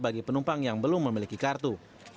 bagi penumpang yang belum memiliki kartu